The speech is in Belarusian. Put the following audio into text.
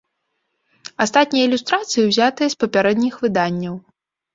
Астатнія ілюстрацыі ўзятыя з папярэдніх выданняў.